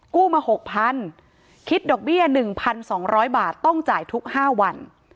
กู้มา๖๐๐๐คิดดอกเบี้ย๑๒๐๐บาทต้องจ่ายทุก๕วัน